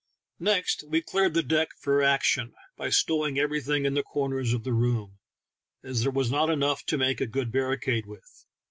Next we "cleared the deck for action" by stow ing everything in the corners of the room, as there was not enough to make a good barricade with.